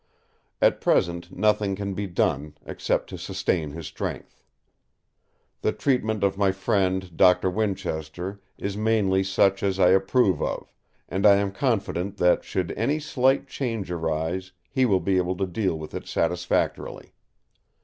At present nothing can be done, except to sustain his strength. The treatment of my friend Doctor Winchester is mainly such as I approve of; and I am confident that should any slight change arise he will be able to deal with it satisfactorily.